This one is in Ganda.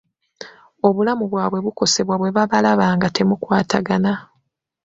Obulamu bwabwe bukosebwa bwe babalaba nga temukwatagana.